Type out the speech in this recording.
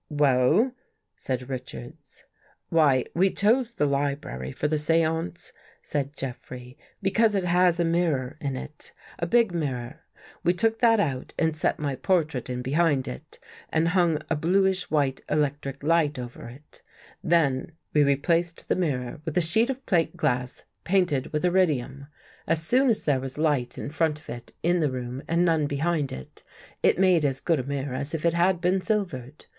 " Well? " said Richards. " Why, we chose the library for the seance," said Jeffrey, " because It has a mirror in It — a big mir ror. We took that out and set my portrait In be hind It and hung a bluish white electric light over It. Then we replaced the mirror with a sheet of plate 123 THE GHOST GIRL glass painted with irridium. As soon as there was light in front of it in the room and none behind it, it made as good a mirror as if it had been silvered.